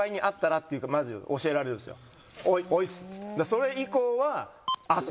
それ以降は「あす！」